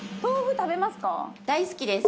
大好きです！